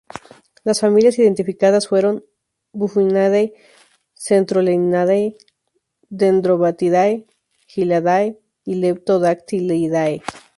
Las familias identificadas fueron: Bufonidae, Centrolenidae, Dendrobatidae, Hylidae y Leptodactylidae.